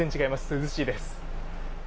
涼しいです。